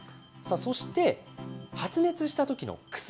そして、発熱したときの薬。